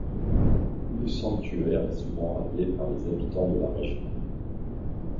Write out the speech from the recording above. Le sanctuaire est souvent appelé par les habitants de la région.